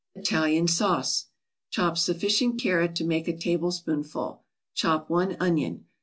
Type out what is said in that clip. ITALIAN SAUCE Chop sufficient carrot to make a tablespoonful; chop one onion.